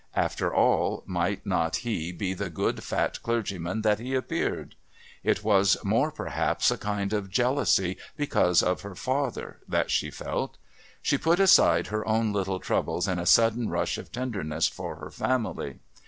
After all might not he be the good fat clergyman that he appeared? It was more perhaps a kind of jealousy because of her father that she felt. She put aside her own little troubles in a sudden rush of tenderness for her family.